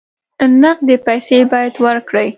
نقدې پیسې باید ورکړې.